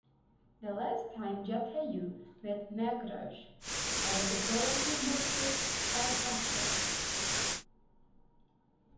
The last time Jatayu met Meghraj was at Golapi Mukto Rahashya.